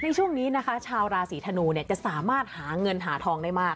ในช่วงนี้นะคะชาวราศีธนูเนี่ยจะสามารถหาเงินหาทองได้มาก